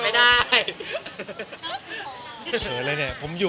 เผยเลยเนี่ย